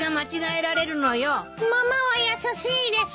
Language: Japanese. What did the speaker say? ママは優しいです。